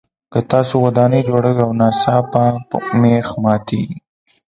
که تاسو ودانۍ جوړوئ او ناڅاپه مېخ ماتیږي.